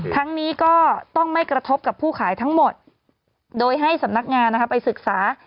ทั้งนี้ก็ต้องไม่กระทบกับผู้ขายทั้งหมดโดยให้สำนักงานไปศึกษา